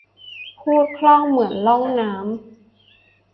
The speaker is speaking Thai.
พูดคล่องเหมือนล่องน้ำ